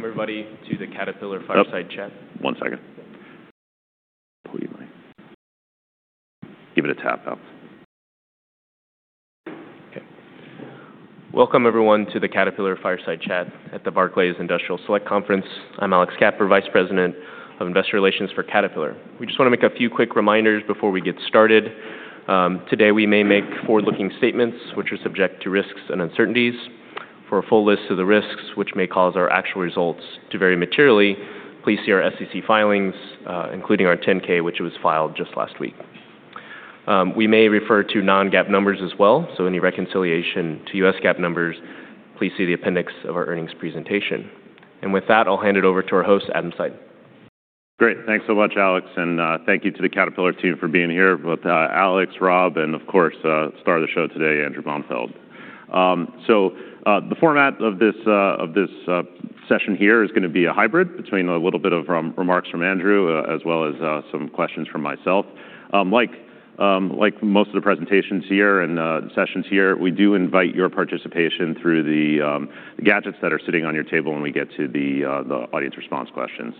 Welcome, everybody, to the Caterpillar Fireside Chat. One second. Completely. Give it a tap out. Okay. Welcome, everyone, to the Caterpillar Fireside Chat at the Barclays Industrial Select Conference. I'm Alex Kapper, Vice President of Investor Relations for Caterpillar. We just wanna make a few quick reminders before we get started. Today, we may make forward-looking statements which are subject to risks and uncertainties. For a full list of the risks which may cause our actual results to vary materially, please see our SEC filings, including our 10-K, which was filed just last week. We may refer to non-GAAP numbers as well, so any reconciliation to U.S. GAAP numbers, please see the appendix of our earnings presentation. With that, I'll hand it over to our host, Adam Seiden. Great. Thanks so much, Alex, and thank you to the Caterpillar team for being here, both Alex, Rob, and of course, star of the show today, Andrew Bonfield. So, the format of this session here is gonna be a hybrid between a little bit of remarks from Andrew, as well as some questions from myself. Like most of the presentations here and sessions here, we do invite your participation through the gadgets that are sitting on your table when we get to the audience response questions.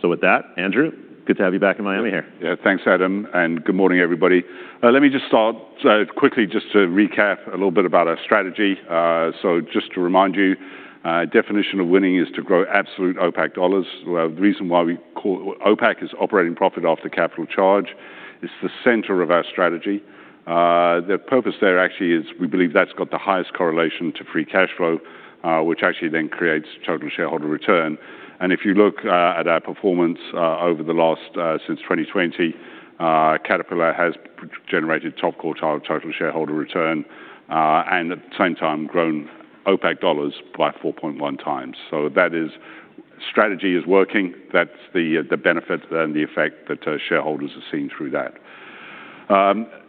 So with that, Andrew, good to have you back in Miami here. Yeah. Thanks, Adam, and good morning, everybody. Let me just start quickly just to recap a little bit about our strategy. So just to remind you, definition of winning is to grow absolute OPACC dollars. The reason why we call OPACC is operating profit after capital charge. It's the center of our strategy. The purpose there actually is we believe that's got the highest correlation to free cash flow, which actually then creates total shareholder return. And if you look at our performance over the last since 2020, Caterpillar has generated top quartile total shareholder return, and at the same time, grown OPACC dollars by 4.1 times. So that is strategy is working. That's the benefit and the effect that shareholders are seeing through that.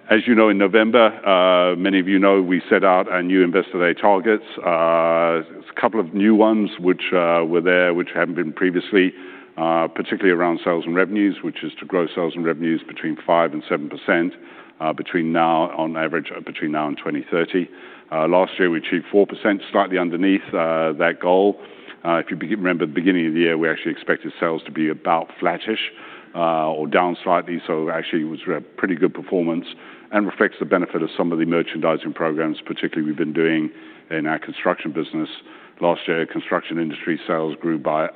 As you know, in November, many of you know, we set out our new Investor Day targets. There's a couple of new ones which were there, which hadn't been previously, particularly around sales and revenues, which is to grow sales and revenues between 5% and 7%, on average, between now and 2030. Last year, we achieved 4%, slightly underneath that goal. If you remember at the beginning of the year, we actually expected sales to be about flattish or down slightly. So actually, it was a pretty good performance and reflects the benefit of some of the merchandising programs, particularly we've been doing in our construction business. Last year, construction industry sales grew by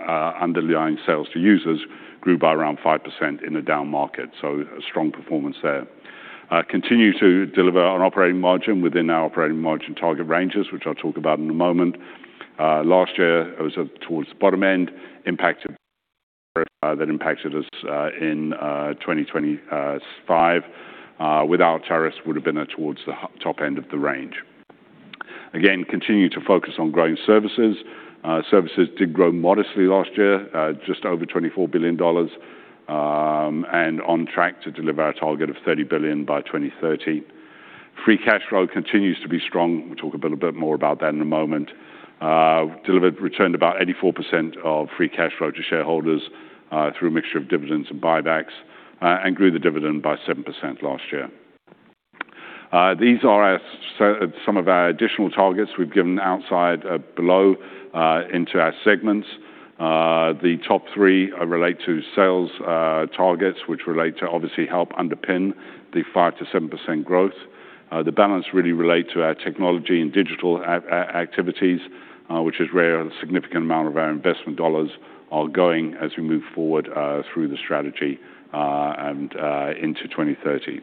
underlying sales to users, grew by around 5% in a down market, so a strong performance there. Continue to deliver on operating margin within our operating margin target ranges, which I'll talk about in a moment. Last year, it was towards the bottom end, impacted. That impacted us in 2025. Without tariffs, would have been towards the top end of the range. Again, continue to focus on growing services. Services did grow modestly last year, just over $24 billion, and on track to deliver our target of $30 billion by 2030. Free cash flow continues to be strong. We'll talk a bit, little bit more about that in a moment. Delivered returned about 84% of free cash flow to shareholders through a mixture of dividends and buybacks and grew the dividend by 7% last year. These are some of our additional targets we've given outside, below, into our segments. The top three relate to sales targets, which relate to obviously help underpin the 5%-7% growth. The balance really relate to our technology and digital activities, which is where a significant amount of our investment dollars are going as we move forward through the strategy and into 2030.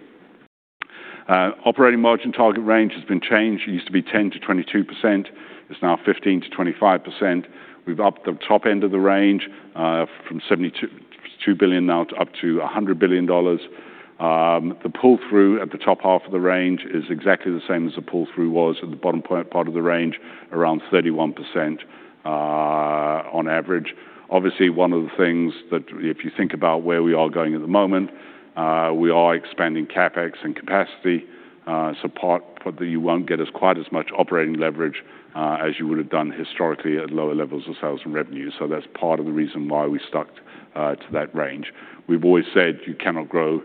Operating margin target range has been changed. It used to be 10%-22%. It's now 15%-25%. We've upped the top end of the range from $72 billion now up to $100 billion. The pull-through at the top half of the range is exactly the same as the pull-through was at the bottom point, part of the range, around 31%, on average. Obviously, one of the things that if you think about where we are going at the moment, we are expanding CapEx and capacity, so part, but you won't get as quite as much operating leverage, as you would have done historically at lower levels of sales and revenue. So that's part of the reason why we stuck, to that range. We've always said you cannot grow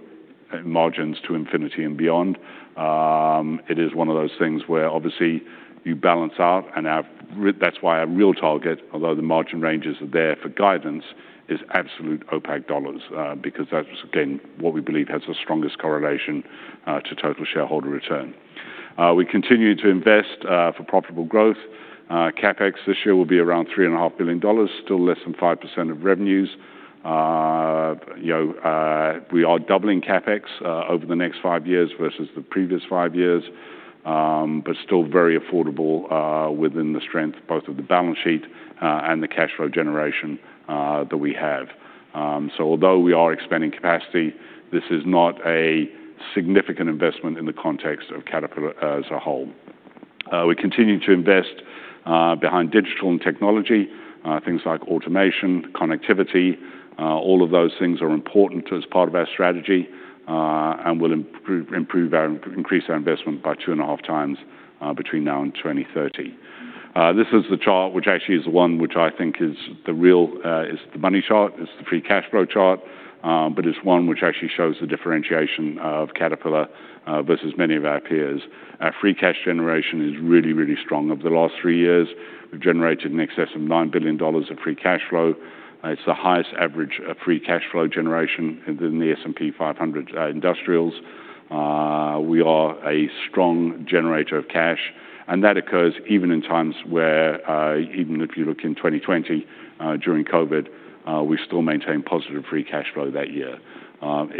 margins to infinity and beyond. It is one of those things where obviously you balance out, and that's why our real target, although the margin ranges are there for guidance, is absolute OPACC dollars, because that's, again, what we believe has the strongest correlation to total shareholder return. We continue to invest for profitable growth. CapEx this year will be around $3.5 billion, still less than 5% of revenues. You know, we are doubling CapEx over the next five years versus the previous five years, but still very affordable within the strength, both of the balance sheet and the cash flow generation that we have. So although we are expanding capacity, this is not a significant investment in the context of Caterpillar as a whole. We continue to invest behind digital and technology, things like automation, connectivity. All of those things are important as part of our strategy, and we'll increase our investment by 2.5 times between now and 2030. This is the chart, which actually is the one which I think is the real, is the money chart. It's the free cash flow chart, but it's one which actually shows the differentiation of Caterpillar versus many of our peers. Our free cash generation is really, really strong. Over the last 3 years, we've generated in excess of $9 billion of free cash flow. It's the highest average of free cash flow generation in the S&P 500 industrials. We are a strong generator of cash, and that occurs even in times where, even if you look in 2020, during COVID, we still maintained positive free cash flow that year.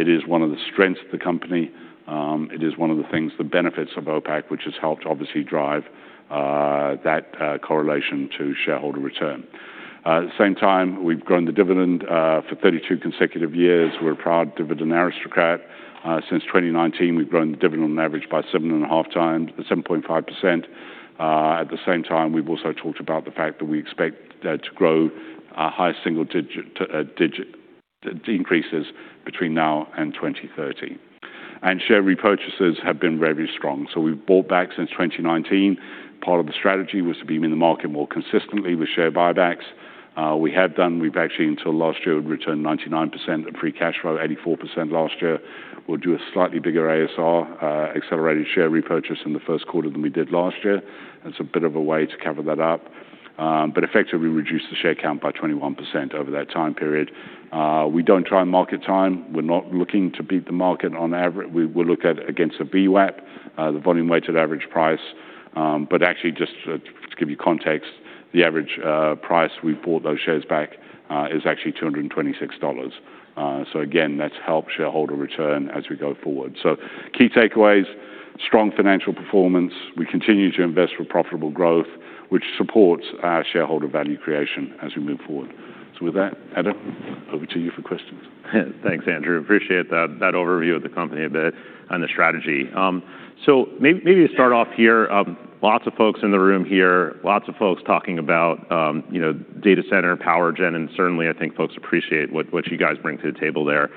It is one of the strengths of the company. It is one of the things, the benefits of OPAC, which has helped obviously drive, that, correlation to shareholder return. At the same time, we've grown the dividend, for 32 consecutive years. We're a proud dividend aristocrat. Since 2019, we've grown the dividend on average by 7.5 times, 7.5%. At the same time, we've also talked about the fact that we expect that to grow a high single-digit increases between now and 2030. And share repurchases have been very strong. So we've bought back since 2019. Part of the strategy was to be in the market more consistently with share buybacks. We've actually, until last year, returned 99% of free cash flow, 84% last year. We'll do a slightly bigger ASR, accelerated share repurchase in the first quarter than we did last year. That's a bit of a way to cover that up, but effectively reduce the share count by 21% over that time period. We don't try and market time. We're not looking to beat the market on average. We look at it against a VWAP, the volume-weighted average price. But actually, just to give you context, the average price we bought those shares back is actually $226. So again, that's helped shareholder return as we go forward. Key takeaways, strong financial performance. We continue to invest for profitable growth, which supports our shareholder value creation as we move forward. With that, Adam, over to you for questions. Thanks, Andrew. Appreciate that, that overview of the company a bit and the strategy. So maybe to start off here, lots of folks in the room here, lots of folks talking about, you know, data center, power gen, and certainly, I think folks appreciate what, what you guys bring to the table there.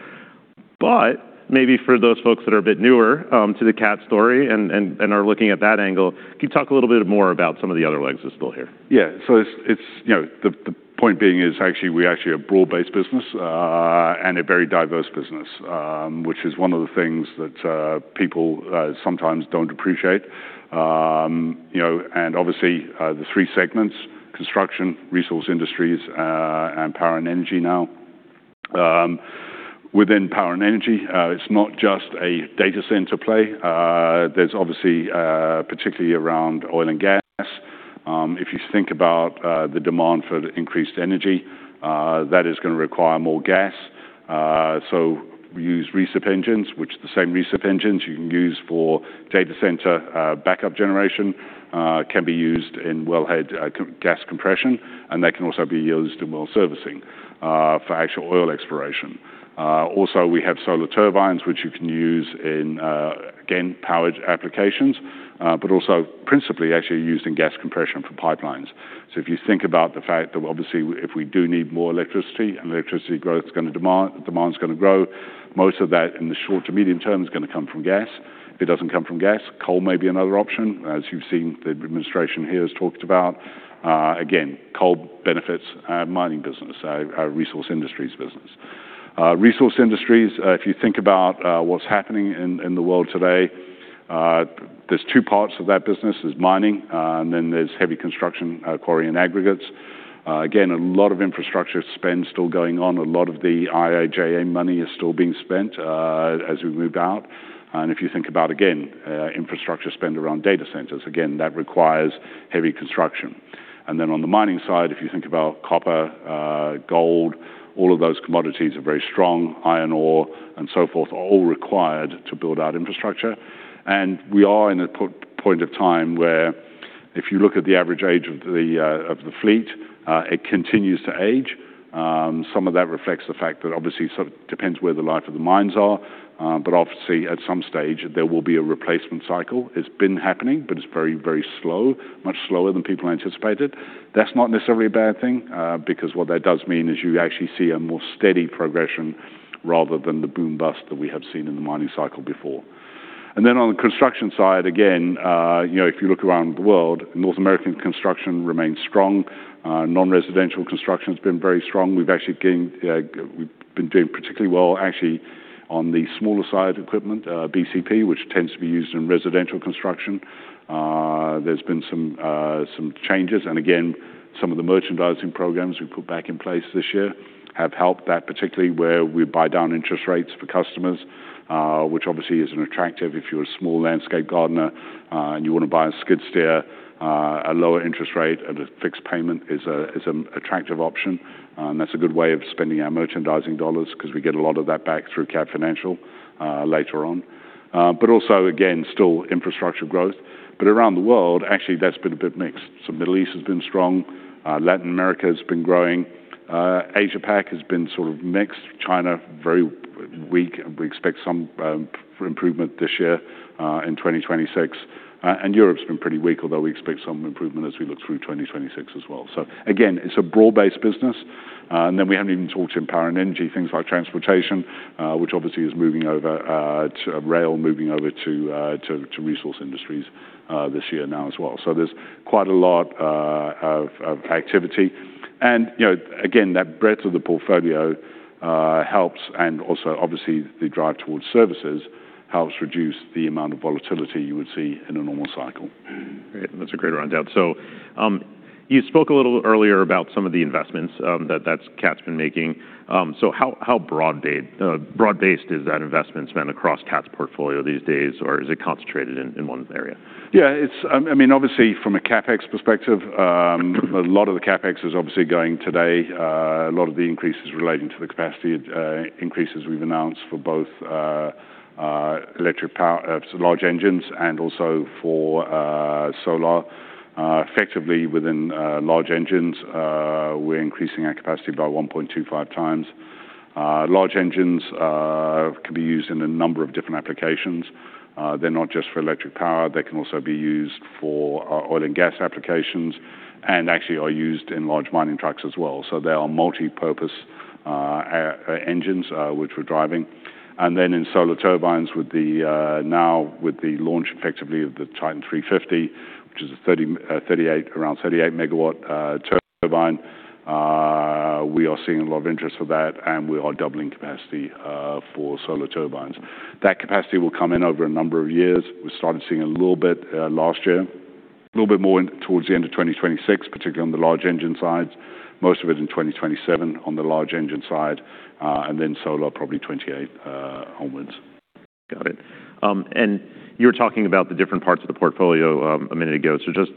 But maybe for those folks that are a bit newer, to the Cat story and are looking at that angle, can you talk a little bit more about some of the other legs of the stool here? Yeah. So it's, you know, the point being is actually, we're actually a broad-based business, and a very diverse business, which is one of the things that people sometimes don't appreciate. You know, and obviously, the three segments, Construction Industries, Resource Industries, and Power and Energy now. Within Power and Energy, it's not just a data center play. There's obviously, particularly around oil and gas. If you think about the demand for increased energy, that is gonna require more gas. So we use recip engines, which the same recip engines you can use for data center backup generation, can be used in wellhead gas compression, and they can also be used in well servicing for actual oil exploration. Also, we have Solar Turbines, which you can use in, again, powered applications, but also principally actually used in gas compression for pipelines. So if you think about the fact that obviously, if we do need more electricity and electricity growth is gonna demand—demand is gonna grow, most of that in the short to medium term is gonna come from gas. If it doesn't come from gas, coal may be another option. As you've seen, the administration here has talked about, again, coal benefits our mining business, our Resource Industries business. Resource Industries, if you think about what's happening in the world today, there's two parts of that business. There's mining, and then there's heavy construction, quarry and aggregates. Again, a lot of infrastructure spend still going on. A lot of the IIJA money is still being spent, as we move out. And if you think about, again, infrastructure spend around data centers, again, that requires heavy construction. And then on the mining side, if you think about copper, gold, all of those commodities are very strong. Iron ore and so forth are all required to build out infrastructure. And we are in a point of time where if you look at the average age of the fleet, it continues to age. Some of that reflects the fact that obviously sort of depends where the life of the mines are, but obviously, at some stage, there will be a replacement cycle. It's been happening, but it's very, very slow, much slower than people anticipated. That's not necessarily a bad thing, because what that does mean is you actually see a more steady progression rather than the boom bust that we have seen in the mining cycle before. And then on the construction side, again, you know, if you look around the world, North American construction remains strong. Non-residential construction has been very strong. We've actually gained, we've been doing particularly well, actually, on the smaller side of equipment, BCP, which tends to be used in residential construction. There's been some changes, and again, some of the merchandising programs we put back in place this year have helped that, particularly where we buy down interest rates for customers, which obviously is an attractive if you're a small landscape gardener, and you want to buy a skid steer, a lower interest rate at a fixed payment is a, is an attractive option. And that's a good way of spending our merchandising dollars because we get a lot of that back through Cat Financial, later on. But also, again, still infrastructure growth. But around the world, actually, that's been a bit mixed. So Middle East has been strong, Latin America has been growing, Asia Pac has been sort of mixed, China, very weak, and we expect some improvement this year, in 2026. And Europe's been pretty weak, although we expect some improvement as we look through 2026 as well. So again, it's a broad-based business. And then we haven't even talked in Power and Energy, things like transportation, which obviously is moving over to rail, moving over to Resource Industries, this year now as well. So there's quite a lot of activity. And, you know, again, that breadth of the portfolio helps, and also obviously the drive towards services helps reduce the amount of volatility you would see in a normal cycle. Great. That's a great rundown. So, you spoke a little earlier about some of the investments that Cat's been making. So how broad-based is that investment spent across Cat's portfolio these days, or is it concentrated in one area? Yeah, it's, I mean, obviously, from a CapEx perspective, a lot of the CapEx is obviously going today, a lot of the increases relating to the capacity increases we've announced for both electric power, large engines, and also for solar. Effectively, within large engines, we're increasing our capacity by 1.25 times. Large engines can be used in a number of different applications. They're not just for electric power. They can also be used for oil and gas applications, and actually are used in large mining trucks as well. So they are multipurpose engines which we're driving. And then in Solar Turbines, with the now with the launch, effectively, of the Titan 350, which is a thirty, thirty-eight, around 38 megawatt turbine, we are seeing a lot of interest for that, and we are doubling capacity for Solar Turbines. That capacity will come in over a number of years. We started seeing a little bit last year, a little bit more towards the end of 2026, particularly on the large engine sides. Most of it in 2027 on the large engine side, and then Solar, probably 2028 onwards. Got it. And you were talking about the different parts of the portfolio, a minute ago. So just,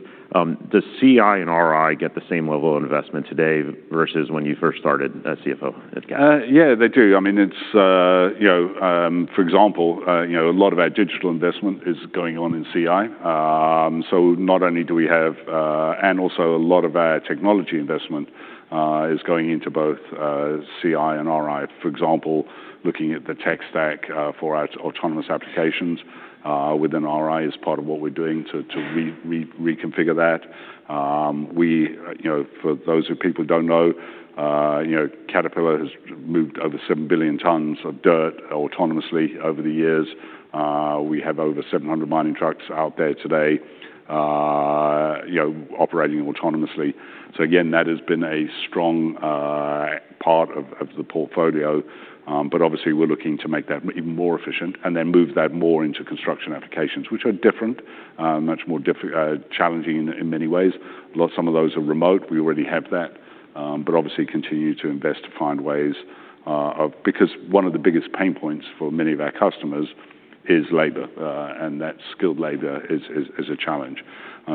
does CI and RI get the same level of investment today versus when you first started as CFO at Cat? Yeah, they do. I mean, it's, you know, for example, you know, a lot of our digital investment is going on in CI. So not only do we have... And also a lot of our technology investment is going into both, CI and RI. For example, looking at the tech stack, for our autonomous applications, within RI is part of what we're doing to reconfigure that. We, you know, for those people who don't know, you know, Caterpillar has moved over seven billion tons of dirt autonomously over the years. We have over 700 mining trucks out there today, you know, operating autonomously. So again, that has been a strong part of the portfolio. But obviously, we're looking to make that even more efficient and then move that more into construction applications, which are different, much more challenging in many ways. Some of those are remote. We already have that, but obviously continue to invest to find ways because one of the biggest pain points for many of our customers is labor, and that skilled labor is a challenge.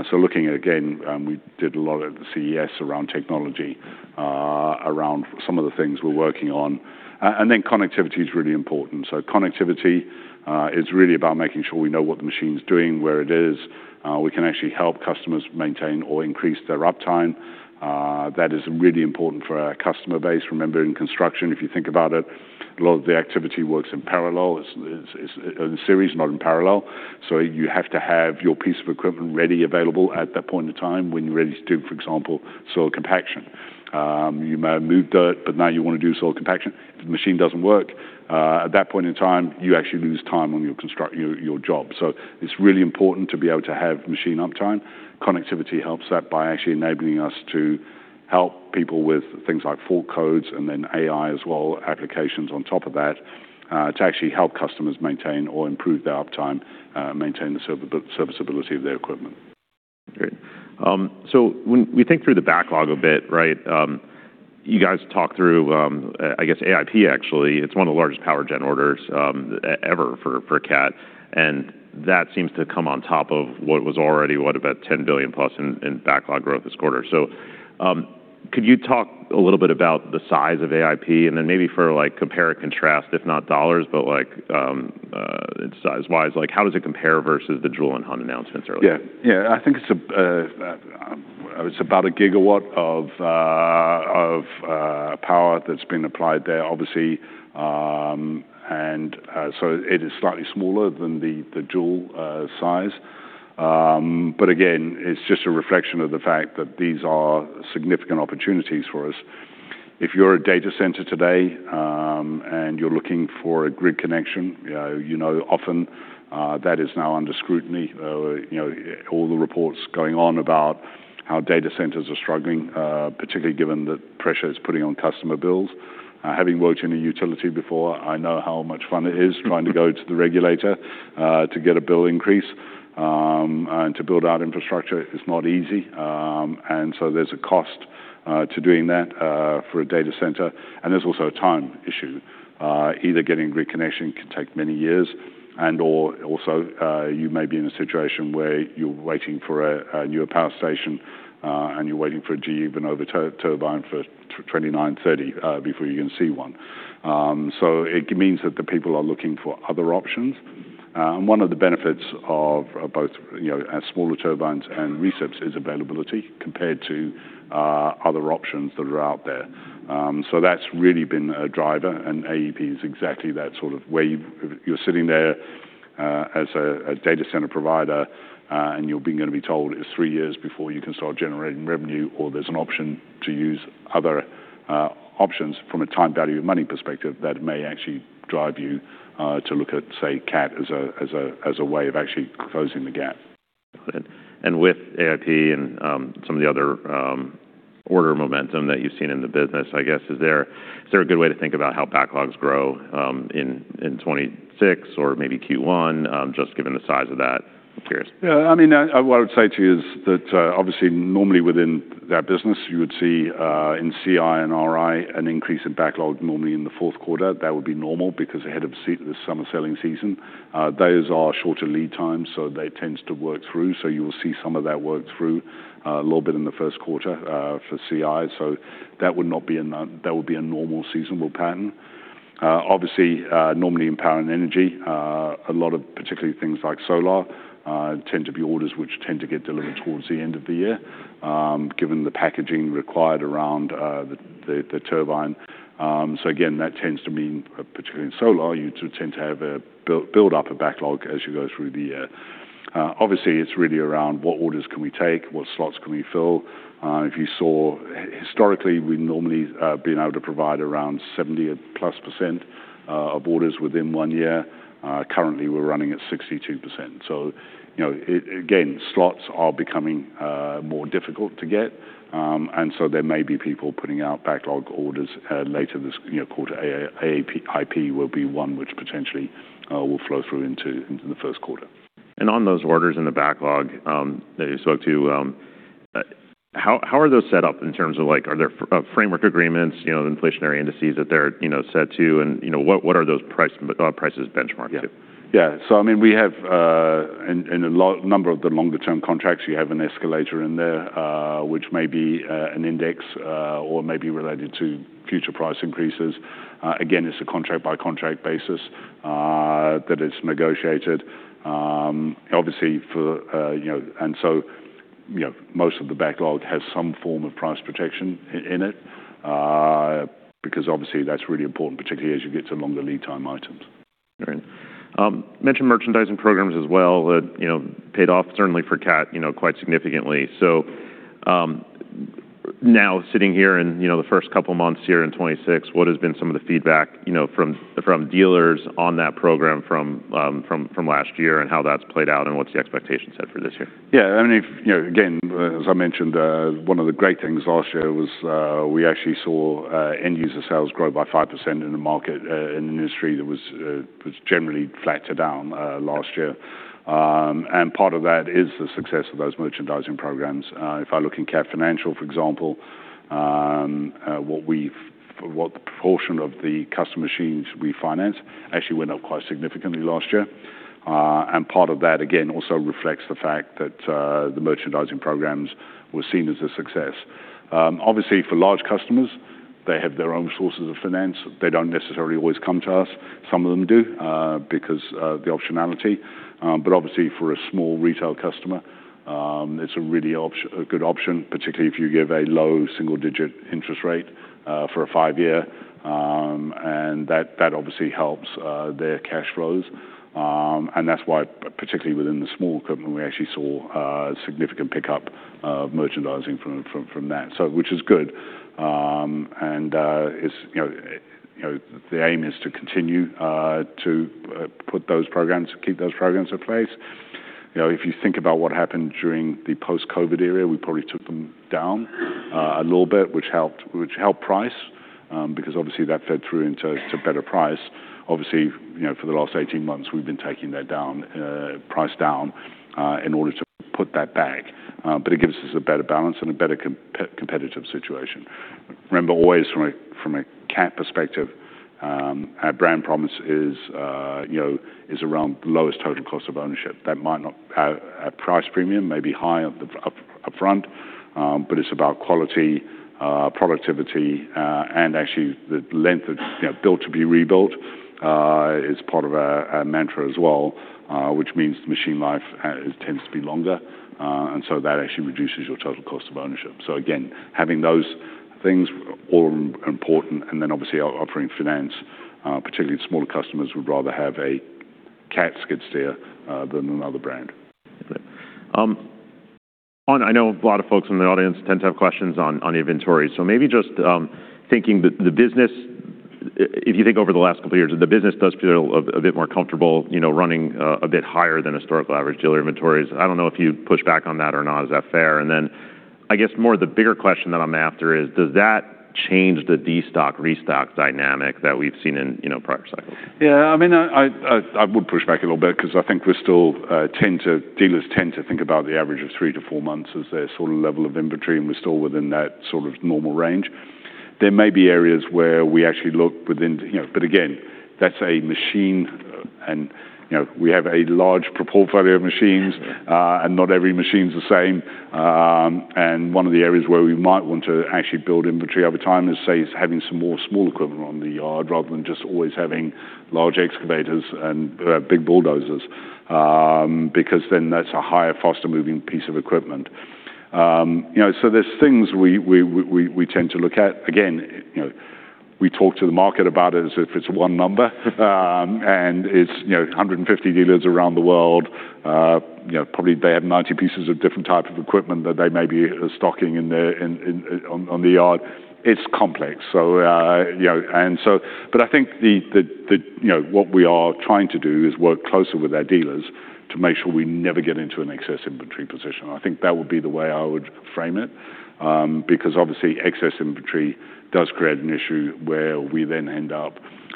So looking at, again, we did a lot at the CES around technology, around some of the things we're working on. And then connectivity is really important. So connectivity is really about making sure we know what the machine's doing, where it is. We can actually help customers maintain or increase their uptime. That is really important for our customer base. Remember, in construction, if you think about it, a lot of the activity works in parallel. It's a series, not in parallel. So you have to have your piece of equipment ready, available at that point in time when you're ready to do, for example, soil compaction. You may have moved dirt, but now you want to do soil compaction. If the machine doesn't work at that point in time, you actually lose time on your construction job. So it's really important to be able to have machine uptime. Connectivity helps that by actually enabling us to help people with things like fault codes and then AI as well, applications on top of that, to actually help customers maintain or improve their uptime, maintain the serviceability of their equipment. Great. So when we think through the backlog a bit, right, you guys talked through, I guess AEP, actually. It's one of the largest power gen orders, ever for Cat, and that seems to come on top of what was already, what, about $10 billion+ in backlog growth this quarter. So, could you talk a little bit about the size of AEP, and then maybe for, like, compare and contrast, if not dollars, but, like, size-wise, like, how does it compare versus the Joule and Hunt announcements earlier? Yeah. Yeah, I think it's, it's about 1 GW of power that's been applied there, obviously. And so it is slightly smaller than the Joule size. But again, it's just a reflection of the fact that these are significant opportunities for us. If you're a data center today, and you're looking for a grid connection, you know, often that is now under scrutiny. You know, all the reports going on about how data centers are struggling, particularly given the pressure it's putting on customer bills. Having worked in a utility before, I know how much fun it is trying to go to the regulator to get a bill increase, and to build out infrastructure. It's not easy, and so there's a cost to doing that for a data center. There's also a time issue. Either getting grid connection can take many years, and/or also, you may be in a situation where you're waiting for a, a newer power station, and you're waiting for a GE Vernova turbine for 2029, 2030, before you can see one. So it means that the people are looking for other options. And one of the benefits of, both, you know, smaller turbines and recip engines is availability compared to, other options that are out there. So that's really been a driver, and AEP is exactly that sort of where you- you're sitting there-... As a data center provider, and you're gonna be told it's three years before you can start generating revenue, or there's an option to use other options from a time value of money perspective, that may actually drive you to look at, say, Cat as a way of actually closing the gap. With AIP and some of the other order momentum that you've seen in the business, I guess, is there a good way to think about how backlogs grow in 2026 or maybe Q1 just given the size of that? I'm curious. Yeah, I mean, what I would say to you is that, obviously, normally within that business, you would see, in CI and RI, an increase in backlog normally in the fourth quarter. That would be normal because ahead of the summer selling season, those are shorter lead times, so that tends to work through. So you will see some of that work through, a little bit in the first quarter, for CI. So that would be a normal seasonal pattern. Obviously, normally in power and energy, a lot of particularly things like solar tend to be orders which tend to get delivered towards the end of the year, given the packaging required around the turbine. So again, that tends to mean, particularly in solar, tend to build up a backlog as you go through the year. Obviously, it's really around what orders can we take, what slots can we fill? If you saw, historically, we've normally been able to provide around 70%+ of orders within one year. Currently, we're running at 62%. So, you know, again, slots are becoming more difficult to get. And so there may be people putting out backlog orders later this, you know, quarter. AA, AIP will be one which potentially will flow through into the first quarter. On those orders in the backlog that you spoke to, how are those set up in terms of, like, are there framework agreements, you know, inflationary indices that they're, you know, set to? And, you know, what are those prices benchmarked to? Yeah. So, I mean, we have... In a low number of the longer-term contracts, you have an escalator in there, which may be an index, or may be related to future price increases. Again, it's a contract-by-contract basis that it's negotiated. Obviously, for you know—and so, you know, most of the backlog has some form of price protection in it, because obviously, that's really important, particularly as you get to longer lead time items. Great. You mentioned merchandising programs as well that, you know, paid off certainly for Cat, you know, quite significantly. So, now sitting here in, you know, the first couple of months here in 2026, what has been some of the feedback, you know, from dealers on that program from last year and how that's played out, and what's the expectation set for this year? Yeah, I mean, you know, again, as I mentioned, one of the great things last year was, we actually saw, end-user sales grow by 5% in the market, in an industry that was, was generally flat to down, last year. And part of that is the success of those merchandising programs. If I look in Cat Financial, for example, what proportion of the custom machines we financed actually went up quite significantly last year. And part of that, again, also reflects the fact that, the merchandising programs were seen as a success. Obviously, for large customers, they have their own sources of finance. They don't necessarily always come to us. Some of them do, because of the optionality. But obviously, for a small retail customer, it's a really good option, particularly if you give a low single-digit interest rate for a five-year. And that obviously helps their cash flows. And that's why, particularly within the small equipment, we actually saw a significant pickup of merchandising from that, so which is good. And it's you know the aim is to continue to put those programs, to keep those programs in place. You know, if you think about what happened during the post-COVID era, we probably took them down a little bit, which helped price, because obviously that fed through into better price. Obviously, you know, for the last 18 months, we've been taking that down, price down in order to put that back. But it gives us a better balance and a better competitive situation. Remember, always from a Cat perspective, our brand promise is, you know, is around the lowest total cost of ownership. That might not have a price premium, maybe high upfront, but it's about quality, productivity, and actually the length of, you know, built to be rebuilt, is part of our mantra as well, which means the machine life tends to be longer, and so that actually reduces your total cost of ownership. So again, having those things all are important, and then obviously, offering finance, particularly the smaller customers would rather have a Cat skid steer, than another brand. And I know a lot of folks in the audience tend to have questions on inventory. So maybe just thinking that the business, if you think over the last couple of years, the business does feel a bit more comfortable, you know, running a bit higher than historical average dealer inventories. I don't know if you'd push back on that or not. Is that fair? And then I guess more the bigger question that I'm after is, does that change the destock, restock dynamic that we've seen in prior cycles? Yeah, I mean, I would push back a little bit because I think we still tend to, dealers tend to think about the average of three to four months as their sort of level of inventory, and we're still within that sort of normal range. There may be areas where we actually look within, you know, but again, that's a machine, and, you know, we have a large portfolio of machines, and not every machine's the same. And one of the areas where we might want to actually build inventory over time is, say, having some more small equipment on the yard, rather than just always having large excavators and big bulldozers, because then that's a higher, faster-moving piece of equipment. You know, so there's things we tend to look at. Again, you know, we talk to the market about it as if it's one number. And it's, you know, 150 dealers around the world. You know, probably they have 90 pieces of different type of equipment that they may be stocking in the yard. It's complex. So, you know, but I think the, you know, what we are trying to do is work closer with our dealers to make sure we never get into an excess inventory position. I think that would be the way I would frame it. Because obviously, excess inventory does create an issue where we then end up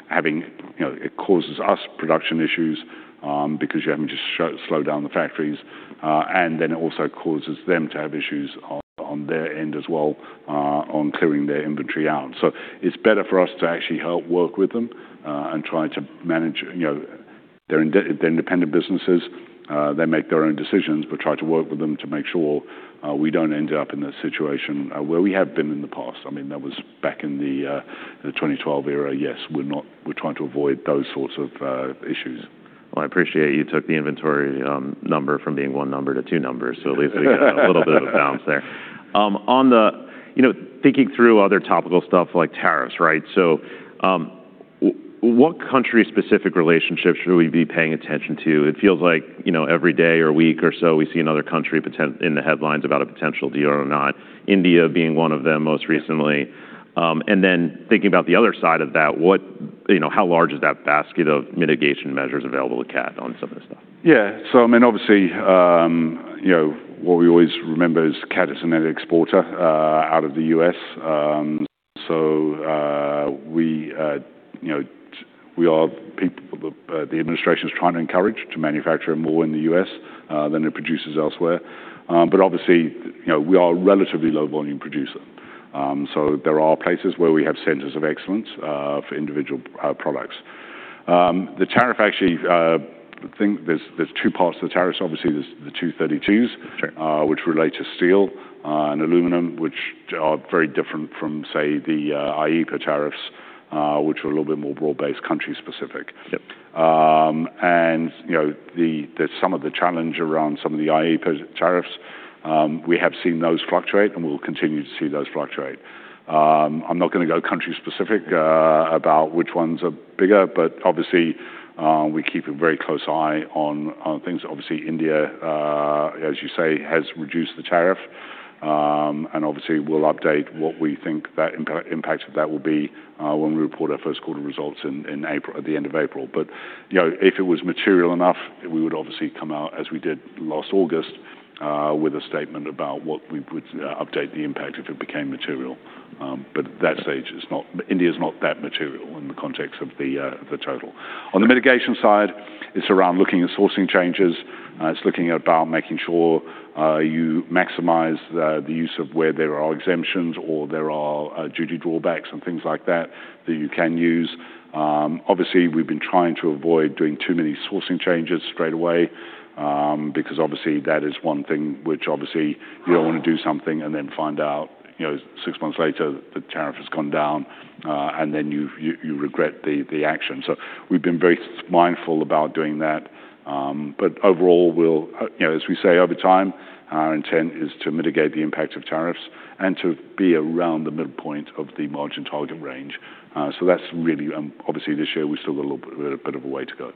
having, you know, it causes us production issues, because you're having to slow down the factories. And then it also causes them to have issues on their end as well, on clearing their inventory out. So it's better for us to actually help work with them and try to manage, you know, they're independent businesses. They make their own decisions, but try to work with them to make sure we don't end up in a situation where we have been in the past. I mean, that was back in the 2012 era. Yes, we're not. We're trying to avoid those sorts of issues. Well, I appreciate you took the inventory number from being one number to two numbers. So at least we get a little bit of a balance there. On the, you know, thinking through other topical stuff like tariffs, right? So, what country-specific relationship should we be paying attention to? It feels like, you know, every day or week or so, we see another country potential in the headlines about a potential deal or not, India being one of them most recently. And then thinking about the other side of that, what, you know, how large is that basket of mitigation measures available to Cat on some of this stuff? Yeah. So, I mean, obviously, you know, what we always remember is Cat is a net exporter out of the U.S.. So, you know, we are people, the administration is trying to encourage to manufacture more in the U.S. than it produces elsewhere. But obviously, you know, we are a relatively low-volume producer. So there are places where we have centers of excellence for individual products. The tariff actually, I think there's two parts to the tariffs. Obviously, there's the 232s- Sure... which relate to steel and aluminum, which are very different from, say, the IEEPA tariffs, which are a little bit more broad-based, country-specific. Yep. And, you know, the some of the challenge around some of the IEEPA tariffs, we have seen those fluctuate, and we'll continue to see those fluctuate. I'm not gonna go country-specific, about which ones are bigger, but obviously, we keep a very close eye on, on things. Obviously, India, as you say, has reduced the tariff. And obviously, we'll update what we think that impact of that will be, when we report our first quarter results in, in April, at the end of April. But, you know, if it was material enough, we would obviously come out, as we did last August, with a statement about what we would, update the impact if it became material. But at that stage, it's not. India is not that material in the context of the, the total. On the mitigation side, it's around looking at sourcing changes. It's looking about making sure you maximize the use of where there are exemptions or there are duty drawbacks and things like that that you can use. Obviously, we've been trying to avoid doing too many sourcing changes straight away, because obviously, that is one thing which obviously-... you don't want to do something and then find out, you know, six months later, the tariff has gone down, and then you regret the action. So we've been very mindful about doing that. But overall, we'll, you know, as we say, over time, our intent is to mitigate the impact of tariffs and to be around the midpoint of the margin target range. So that's really, obviously, this year, we've still got a little bit of a way to go.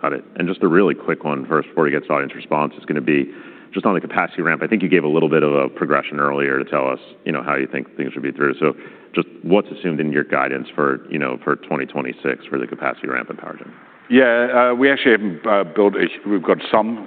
Got it. And just a really quick one first, before we get to audience response, is gonna be just on the capacity ramp. I think you gave a little bit of a progression earlier to tell us, you know, how you think things should be through. So just what's assumed in your guidance for, you know, for 2026 for the capacity ramp in power gen? Yeah, we actually haven't built—we've got some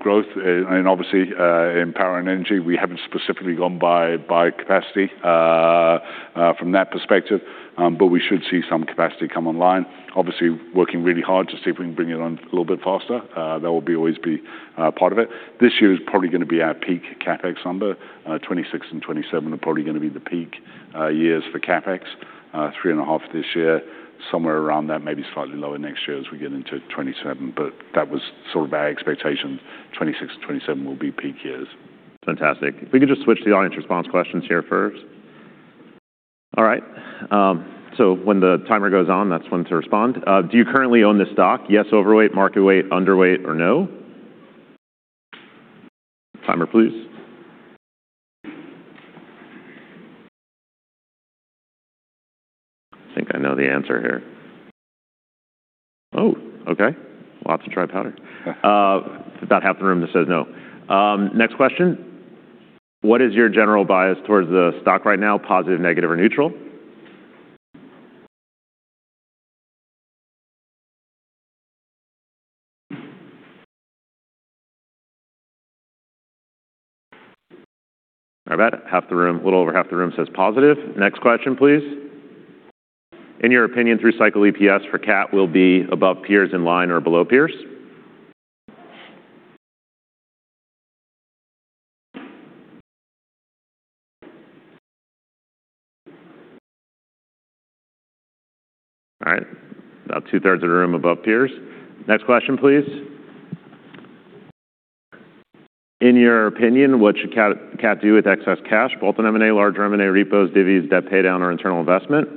growth. And obviously, in power and energy, we haven't specifically gone by capacity from that perspective, but we should see some capacity come online. Obviously, working really hard to see if we can bring it on a little bit faster. That will always be part of it. This year is probably gonna be our peak CapEx number. 2026 and 2027 are probably gonna be the peak years for CapEx. $3.5 this year, somewhere around that, maybe slightly lower next year as we get into 2027, but that was sort of our expectation. 2026 and 2027 will be peak years. Fantastic. If we could just switch to the audience response questions here first. All right, when the timer goes on, that's when to respond. Do you currently own this stock? Yes, overweight, market weight, underweight, or no? Timer, please. I think I know the answer here. Oh, okay. Lots of dry powder. About half the room just says no. Next question: What is your general bias towards the stock right now? Positive, negative, or neutral? All right, about half the room, a little over half the room says positive. Next question, please. In your opinion, through cycle EPS for Cat will be above peers, in line, or below peers? All right, about two-thirds of the room above peers. Next question, please. In your opinion, what should Cat do with excess cash? Bolt-on M&A, large M&A, repos, divvies, debt paydown, or internal investment?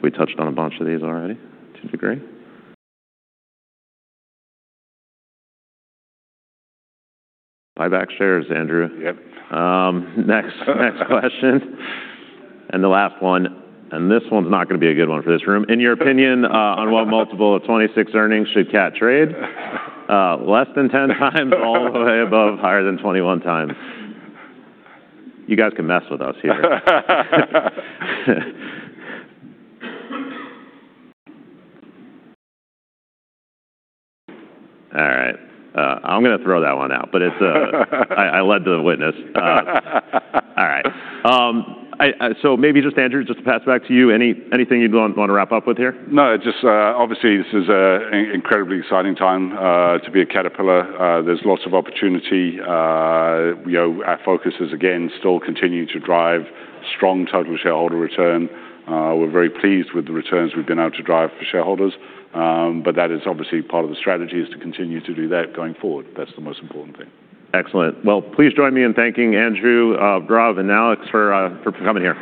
It looks like we touched on a bunch of these already to a degree. Buy back shares, Andrew. Yep. Next, next question. And the last one, and this one's not gonna be a good one for this room. In your opinion, on what multiple of 2026 earnings should Cat trade? Less than 10x, all the way above, higher than 21x. You guys can mess with us here. All right, I'm gonna throw that one out, but it's, I led the witness. All right. So maybe just, Andrew, just to pass it back to you. Anything you'd want to wrap up with here? No, just, obviously, this is an incredibly exciting time to be at Caterpillar. There's lots of opportunity. You know, our focus is, again, still continuing to drive strong total shareholder return. We're very pleased with the returns we've been able to drive for shareholders. But that is obviously part of the strategy, is to continue to do that going forward. That's the most important thing. Excellent. Well, please join me in thanking Andrew, Rob, and Alex for coming here.